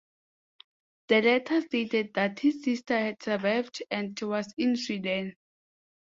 The letter stated that his sister had survived and was in Sweden.